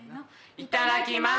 いただきます！